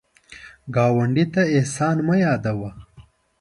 ګاونډي ته احسان مه یادوه